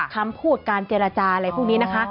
คำพูดการเจรจาอะไรพวกนี้นะคะ